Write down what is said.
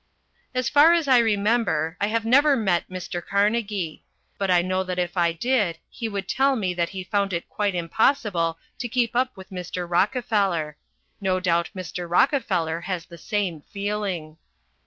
As far as I remember, I have never met Mr. Carnegie. But I know that if I did he would tell me that he found it quite impossible to keep up with Mr. Rockefeller. No doubt Mr. Rockefeller has the same feeling.